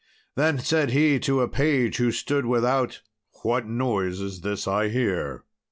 Then said he to a page who stood without, "What noise is this I hear?"